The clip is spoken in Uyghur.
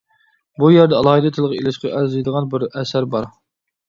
بۇ يەردە ئالاھىدە تىلغا ئېلىشقا ئەرزىيدىغان بىر ئەسەر بار.